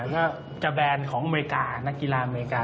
ก็จะแบนของอเมริกานักกีฬาอเมริกา